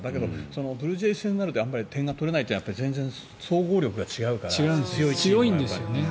だけどブルージェイズ戦になるとあまり点が取れないというのは総合力が違うから強いんですよね。